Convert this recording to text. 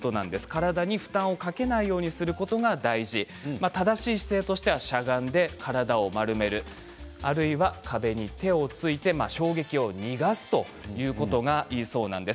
体に負担をかけないようにすることが大事、正しい姿勢としてはしゃがんで体を丸めるあるいは壁に手をついて衝撃を逃がすということがいいそうなんです。